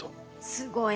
すごい。